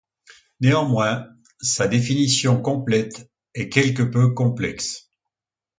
Néanmoins, sa définition complète est quelque peu plus complexe.